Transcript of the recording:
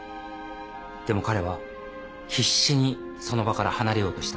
でも彼は必死にその場から離れようとした。